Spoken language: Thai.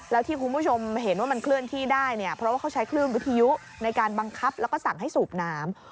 แล้วที่คุณผู้ชมเห็นว่ามันเคลื่อนที่ได้เนี่ยเพราะว่าเขาใช้คลื่นวิทยุในการบังคับแล้วก็สั่งให้สูบน้ำ